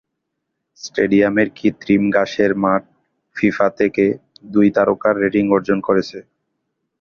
স্টেডিয়ামের কৃত্রিম ঘাসের মাঠ ফিফা থেকে দুই তারকা রেটিং অর্জন করেছে।